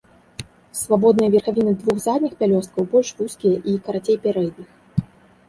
Свабодныя верхавіны двух задніх пялёсткаў больш вузкія і карацей пярэдніх.